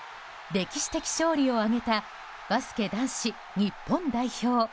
歴史的勝利を挙げたバスケ男子日本代表。